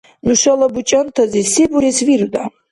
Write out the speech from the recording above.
Нушала бучӀантази се бурес вируда?